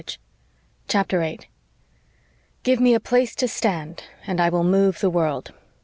CHAPTER 8 Give me a place to stand, and I will move the world.